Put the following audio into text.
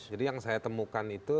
jadi yang saya temukan itu